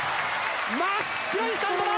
真っ白いスタンドだ！